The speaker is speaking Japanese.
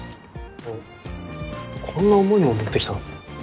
こんな重いの持ってきたの？